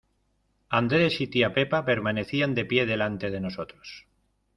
Andrés y tía pepa permanecían de pie delante de nosotros.